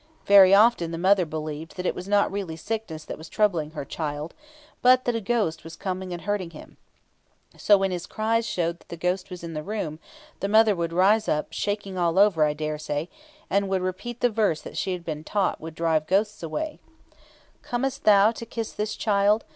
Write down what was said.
Very often the mother believed that it was not really sickness that was troubling her child, but that a ghost was coming and hurting him; so when his cries showed that the ghost was in the room, the mother would rise up, shaking all over, I daresay, and would repeat the verse that she had been taught would drive ghosts away: "Comest thou to kiss this child?